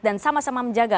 dan sama sama menjaga